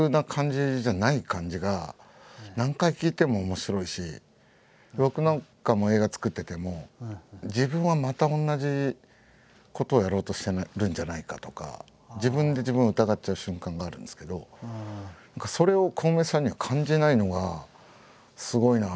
それが僕なんかも映画作ってても自分はまた同じことをやろうとしてるんじゃないかとか自分で自分を疑っちゃう瞬間があるんですけどそれをコウメさんには感じないのがすごいなっていつも思うし。